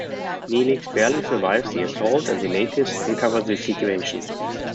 Neelix barely survives the assault and the natives uncover the situation.